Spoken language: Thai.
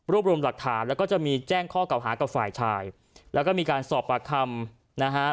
รวมรวมหลักฐานแล้วก็จะมีแจ้งข้อเก่าหากับฝ่ายชายแล้วก็มีการสอบปากคำนะฮะ